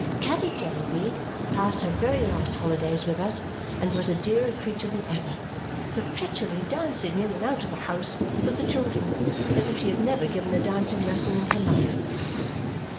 Caddy Jellyby passed her very last holidays with us and was a dearer creature than ever, perpetually dancing in and out of the house with the children as if she had never given a dancing lesson in her life.